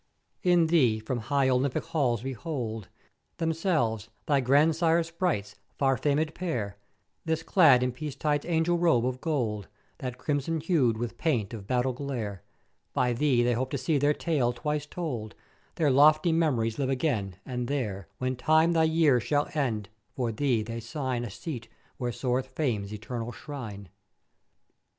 In thee from high Olympick halls behold themselves, thy grandsires' sprites; far famèd pair; this clad in Peacetide's angel robe of gold, that crimson hued with paint of battle glare: By thee they hope to see their tale twice told, their lofty mem'ries live again; and there, when Time thy years shall end, for thee they 'sign a seat where soareth Fame's eternal shrine.